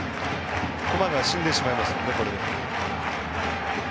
駒が死んでしまいます、これだと。